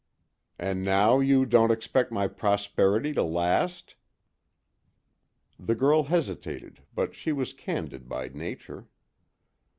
"And now you don't expect my prosperity to last?" The girl hesitated, but she was candid by nature.